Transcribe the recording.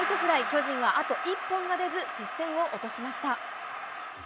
巨人はあと１本が出ず、接戦を落としました。